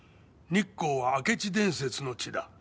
日光は明智伝説の地だ。